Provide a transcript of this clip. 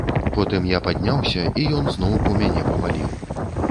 Потым я падняўся, і ён зноўку мяне паваліў.